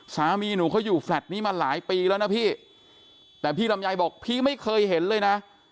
สามีหนูเขาอยู่แฟลต์นี้มาหลายปีแล้วนะพี่แต่พี่ลำไยบอกพี่ไม่เคยเห็นเลยนะ